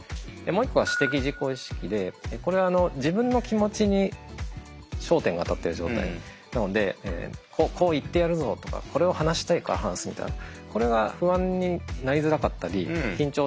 もう一個は私的自己意識でこれは自分の気持ちに焦点が当たってる状態なのでこう言ってやるぞとかこれを話したいから話すみたいなこれは不安になりづらかったり緊張しづらいってことが分かっています。